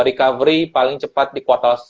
recovery paling cepat di kuartal